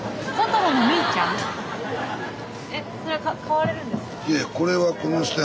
えそれは買われるんですか？